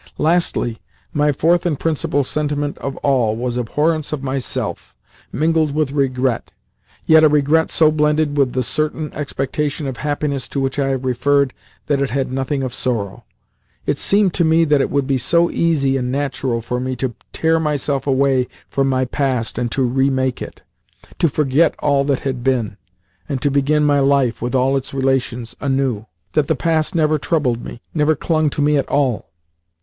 Lastly, my fourth and principal sentiment of all was abhorrence of myself, mingled with regret yet a regret so blended with the certain expectation of happiness to which I have referred that it had in it nothing of sorrow. It seemed to me that it would be so easy and natural for me to tear myself away from my past and to remake it to forget all that had been, and to begin my life, with all its relations, anew that the past never troubled me, never clung to me at all.